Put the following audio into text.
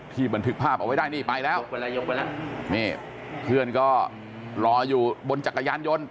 บันทึกภาพเอาไว้ได้นี่ไปแล้วนี่เพื่อนก็รออยู่บนจักรยานยนต์